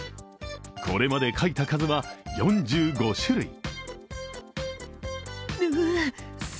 これまで描いた数は４５種類。